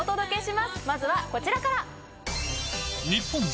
まずはこちらから。